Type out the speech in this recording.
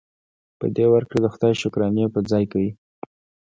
په دې ورکړې د خدای شکرانې په ځای کوي.